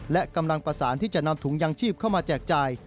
และกำลังประสานที่จะนำถุงยางชีพเข้ามาแจกจ่าย